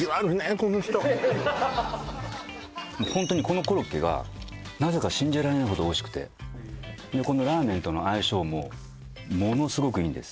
この人ホントにこのコロッケがなぜか信じられないほどおいしくてでこのラーメンとの相性もものすごくいいんです